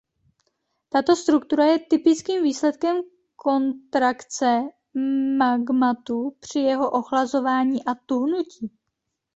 Tato struktura je typickým výsledkem kontrakce magmatu při jeho ochlazování a tuhnutí.